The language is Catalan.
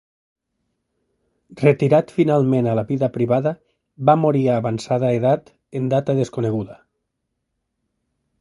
Retirat finalment a la vida privada va morir a avançada edat en data desconeguda.